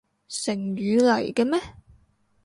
成語嚟嘅咩？